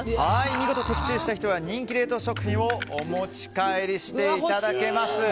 見事的中した人は人気冷凍食品をお持ち帰りしていただけます。